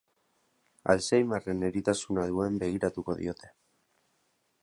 Alzheimerren eritasuna duen begiratuko diote.